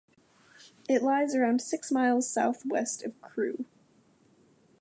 It lies around six miles south west of Crewe.